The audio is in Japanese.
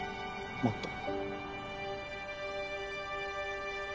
もっと。